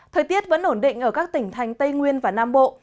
thời tiết vẫn ổn định ở các tỉnh thành tây nguyên và nam bộ